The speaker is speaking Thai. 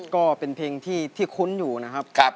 ก็เป็นเพลงที่คุ้นอยู่นะครับ